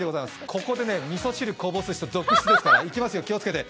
ここでみそ汁こぼす人、続出ですから、いきますよ、気を付けて。